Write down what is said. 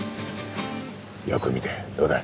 よく見てどうだ？